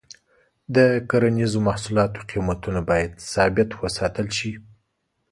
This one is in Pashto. د کرنیزو محصولاتو قیمتونه باید ثابت وساتل شي.